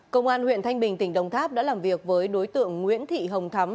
công an huyện thanh bình tỉnh đồng tháp đã làm việc với đối tượng nguyễn thị hồng thắm